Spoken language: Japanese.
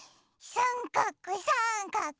さんかくさんかく。